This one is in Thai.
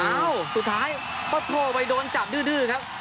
อ้าวสุดท้ายปอตรโทรลไปโดนจับดื้อครับ